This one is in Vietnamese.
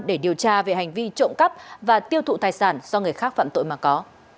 để điều tra về hành vi trộm cắp và tiêu thụ tài sản do người khác phạm tội mà có